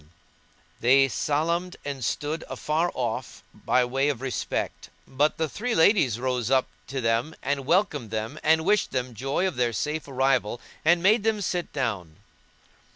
[FN#168] They salam'd and stood afar off by way of respect; but the three ladies rose up to them and welcomed them and wished them joy of their safe arrival and made them sit down.